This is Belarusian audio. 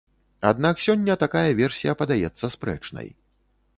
Аднак сёння такая версія падаецца спрэчнай.